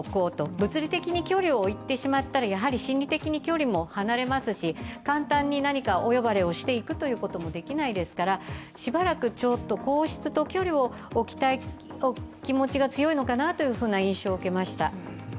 物理的に距離を置いてしまったらやはり心理的に距離も離れますし簡単に何かお呼ばれをしていくということもできないですからしばらく皇室と距離を置きたいという気持ちが強いのかなという印象を受けました。